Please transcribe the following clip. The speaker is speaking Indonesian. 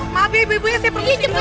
maaf ya ibu ibunya saya perlu disini dulu